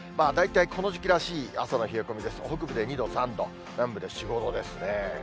大体この時期らしい朝の冷え込みですが、北部で２度、３度、南部で４、５度ですね。